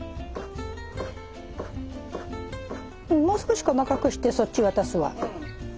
もう少し細かくしてそっち渡すわ。